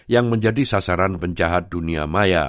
yang menjadi sasaran penjahat dunia maya